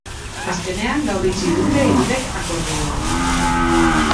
Azkenean, gaur itxi dute hirurek akordioa.